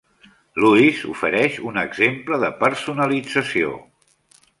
Lewis ofereix un exemple de personalització.